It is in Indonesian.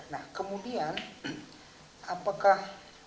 nah kemudian apakah